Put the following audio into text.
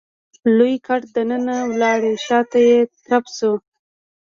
لوی ګټ دننه لاړ شاته يې ترپ شو.